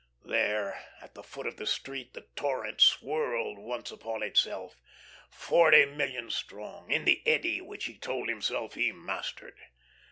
There at the foot of the street the torrent swirled once upon itself, forty million strong, in the eddy which he told himself he mastered.